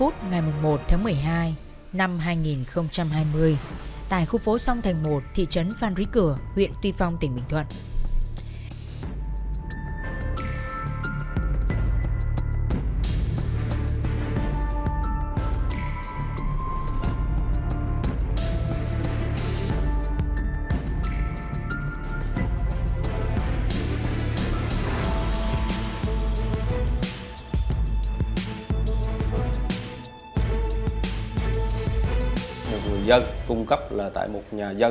các bạn hãy đăng kí cho kênh lalaschool để không bỏ lỡ những video hấp dẫn